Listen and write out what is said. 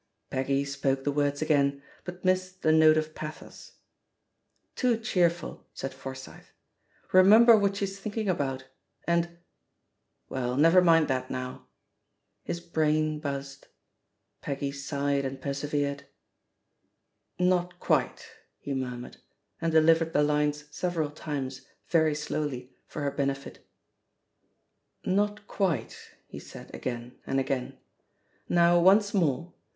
" Peggy spoke the words again, but missed the note of pathos. "Too cheerful," said Forsyth. "Remember what she's thinking about. And Well, never mind that now I" His brain buzzed. Peggy sighed and persevered* B44 THE POSITION OF PEGGY HARPER "Not quite,*' he murmured, and delivered the lines several times, very slowly, for her bene fit "Not quite," he said again and again; "now once more!